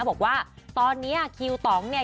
บอกว่าตอนนี้คิวต่องเนี่ย